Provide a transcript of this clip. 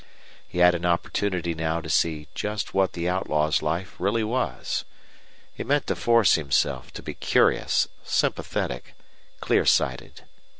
He had an opportunity now to see just what the outlaw's life really was. He meant to force himself to be curious, sympathetic, clear sighted.